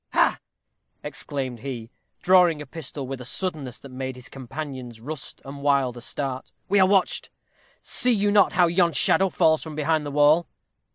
Ha!" exclaimed he, drawing a pistol with a suddenness that made his companions, Rust and Wilder, start, "we are watched. See you not how yon shadow falls from behind the wall?"